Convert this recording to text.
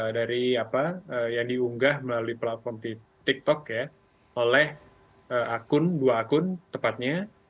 dari apa yang diunggah melalui platform tiktok ya oleh akun dua akun tepatnya